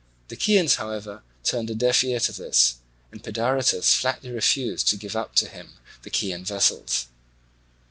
The Chians, however, turned a deaf ear to this, and Pedaritus flatly refused to give up to him the Chian vessels.